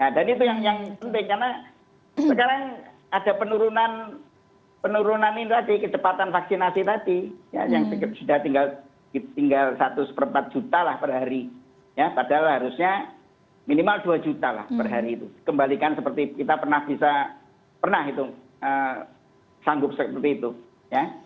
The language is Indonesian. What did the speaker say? nah dan itu yang penting karena sekarang ada penurunan penurunan ini lagi kecepatan vaksinasi tadi ya yang sudah tinggal tinggal satu seperempat juta lah perhari ya padahal harusnya minimal dua juta lah perhari itu kembalikan seperti kita pernah bisa pernah itu sanggup seperti itu ya